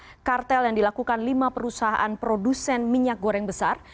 dari kartel yang dilakukan lima perusahaan produsen minyak goreng besar